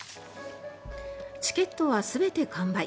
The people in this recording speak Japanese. チケットは全て完売。